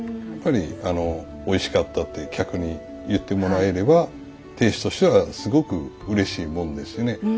やっぱりおいしかったって客に言ってもらえれば亭主としてはすごくうれしいもんですよね。